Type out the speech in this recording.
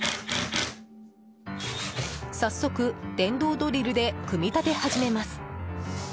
早速、電動ドリルで組み立て始めます。